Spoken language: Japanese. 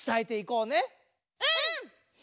うん！